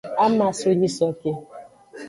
Ama so nyisoke.